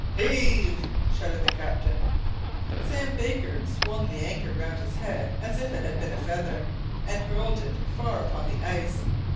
"Heave!" shouted the captain. Sam Baker swung the anchor round his head as if it had been a feather, and hurled it far upon the ice.